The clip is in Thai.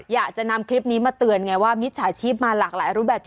อยากจะนำคลิปนี้มาเตือนไงว่ามิจฉาชีพมาหลากหลายรูปแบบ